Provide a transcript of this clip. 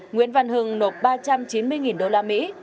nguyễn văn hưng nộp ba trăm chín mươi đô la mỹ